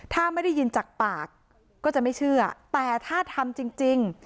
ถ้าไม่ได้ยินจากปากก็จะไม่เชื่อแต่ถ้าทำจริง